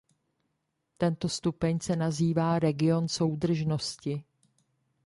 Tento stupeň se nazývá region soudržnosti.